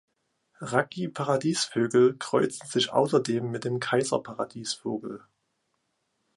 Raggi-Paradiesvögel kreuzen sich außerdem mit dem Kaiser-Paradiesvogel.